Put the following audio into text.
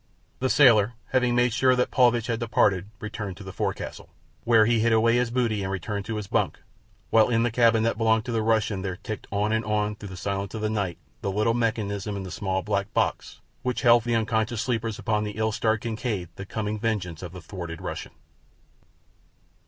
The sailor, having made sure that Paulvitch had departed, returned to the forecastle, where he hid away his booty and turned into his bunk, while in the cabin that had belonged to the Russian there ticked on and on through the silences of the night the little mechanism in the small black box which held for the unconscious sleepers upon the ill starred Kincaid the coming vengeance of the thwarted Russian.